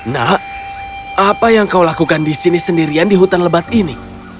nak apa yang kau lakukan di sini sendirian di hutan lebat ini